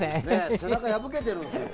背中破けてるんですよ。